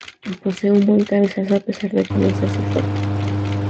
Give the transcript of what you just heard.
Posee un buen cabezazo a pesar de que no sea su fuerte.